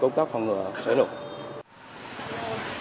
công tác phòng cháy lục